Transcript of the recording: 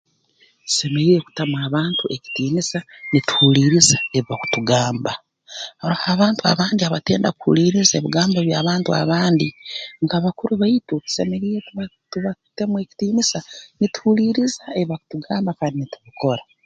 Tusemeriire kutamu abantu ekitiinisa nituhuliiriza ebi bakutugamba haroho abantu abandi abatenda kuhuliiriza ebigambo eby'abantu abandi nka bakuru baitu tusemeriire tuba tubatemu ekitiinisa nituhuliiriza ebi bakutungamba kandi ntubikora